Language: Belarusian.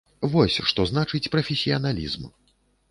Вось што значыць прафесіяналізм.